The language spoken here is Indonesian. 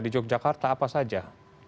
di yogyakarta apa saja